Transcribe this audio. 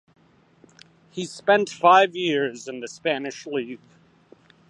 He spent five years in the Spanish league.